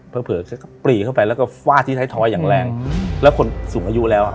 เผลอฉันก็ปรีเข้าไปแล้วก็ฟาดที่ไทยทอยอย่างแรงแล้วคนสูงอายุแล้วอ่ะ